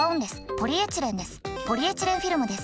ポリエチレンフィルムです。